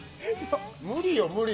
無理よ、無理。